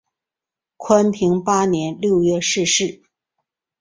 宽平八年六月逝世。